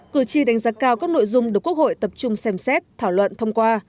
cử tri đánh giá cao các nội dung được quốc hội tập trung xem xét thảo luận thông qua